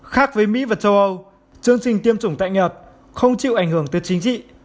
khác với mỹ và châu âu chương trình tiêm chủng tại nhật không chịu ảnh hưởng tới chính trị